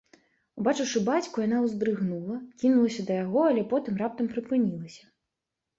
Убачыўшы бацьку, яна ўздрыгнула, кінулася да яго, але потым раптам прыпынілася.